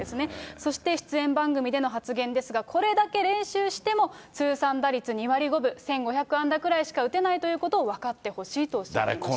そして、出演番組での発言ですが、これだけ練習しても、通算打率２割５分、１５００安打くらいしか打てないということを分かってほしいとおっしゃっていました。